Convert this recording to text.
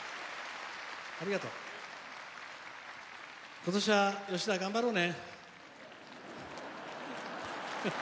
今年は、吉田、頑張ろうね。